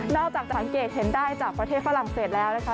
อกจากจะสังเกตเห็นได้จากประเทศฝรั่งเศสแล้วนะคะ